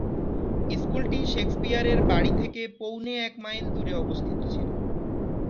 স্কুলটি শেকসপিয়রের বাড়ি থেকে পৌনে-এক মাইল দূরে অবস্থিত ছিল।